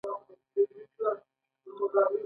پنځوس میلیونه افغانۍ له سلو میلیونو اخلي